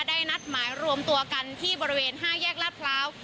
นัดหมายรวมตัวกันที่บริเวณ๕แยกลาดพร้าว